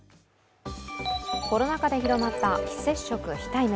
コロナ禍で広まった非接触・非対面。